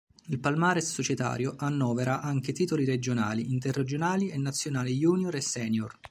Il palmarès societario annovera anche titoli regionali, interregionali e nazionali junior e senior.